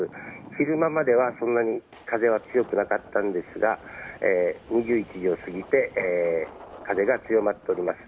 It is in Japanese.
昼間までは、そんなに風は強くなかったんですが２１時を過ぎて風が強まっております。